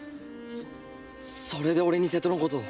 それで俺に瀬戸のことを。